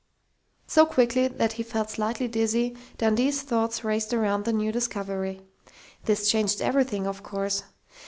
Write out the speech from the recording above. So quickly that he felt slightly dizzy, Dundee's thoughts raced around the new discovery. This changed everything, of course.